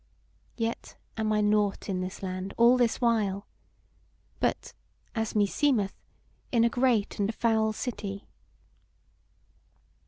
Yet am I nought in this land all this while, but, as meseemeth, in a great and a foul city."